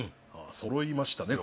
そろいましたね